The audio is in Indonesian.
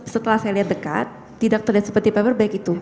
setelah saya lihat dekat tidak terlihat seperti paperback itu